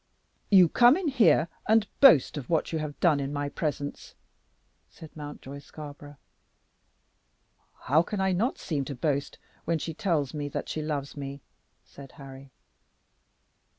"You come in here and boast of what you have done in my presence," said Mountjoy Scarborough. "How can I not seem to boast when she tells me that she loves me?" said Harry.